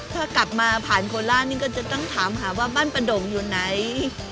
ถ้ากลับมาผ่านโคราชนี่ก็จะต้องถามหาว่าบ้านประดงอยู่ไหน